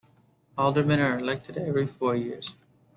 Aldermen are elected every four years.